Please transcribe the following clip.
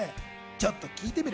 ちょっと聞いてみる？